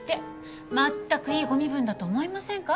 まったくいいご身分だと思いませんか？